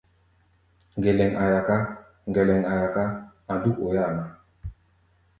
Ŋgɛlɛŋ a̧ yaká, ŋgɛlɛŋ a̧ yaká, a̧ dúk oi-áa ná.